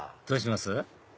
どうします？